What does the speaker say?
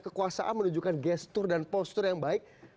kekuasaan menunjukkan gestur dan postur yang baik